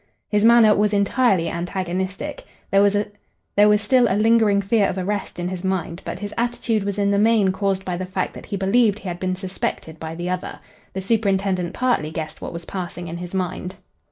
His manner was entirely antagonistic. There was still a lingering fear of arrest in his mind, but his attitude was in the main caused by the fact that he believed he had been suspected by the other. The superintendent partly guessed what was passing in his mind.